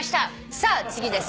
さあ次です。